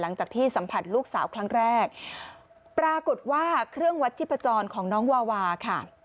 หลังจากที่สัมผัสลูกสาวครั้งแรกปรากฏว่าเครื่องวัดชีพจรของน้องวาวาค่ะ